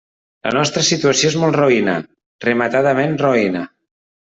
La nostra situació és molt roïna, rematadament roïna.